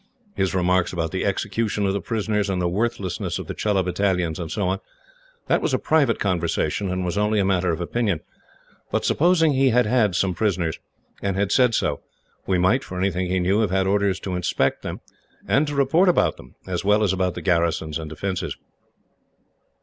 His remarks about the execution of the prisoners, and the worthlessness of the Chelah battalions, and so on, was a private conversation, and was only a matter of opinion. But, supposing he had had some prisoners, and had said so, we might, for anything he knew, have had orders to inspect them, and to report about them, as well as about the garrisons and defences."